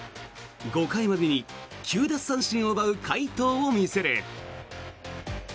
５回までに９奪三振を奪う快投を見せる。